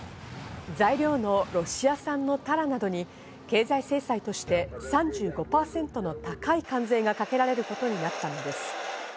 材料のロシア産のタラなどに経済制裁として３５％の高い関税がかけられることになったのです。